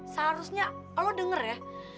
seharusnya lo denger ya